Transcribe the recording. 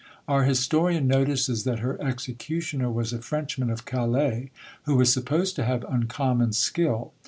Our historian notices that her executioner was a Frenchman of Calais, who was supposed to have uncommon skill.